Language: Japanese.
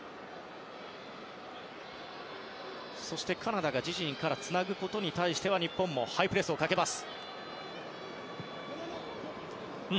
そしてカナダが自陣からつなぐことに対しては日本もハイプレスをかけます。